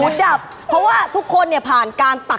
ดับเพราะว่าทุกคนเนี่ยผ่านการตัด